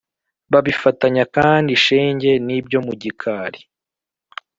Babifatanya kandi Shenge n’ibyo mu gikari